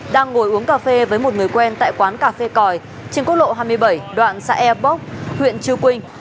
đang ngồi uống cà phê với một người quen tại quán cà phê còi trên quốc lộ hai mươi bảy đoạn xã e bốc huyện chiêu quynh